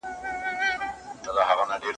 د عیاشۍ دوره د سقوط لامل ګرځي.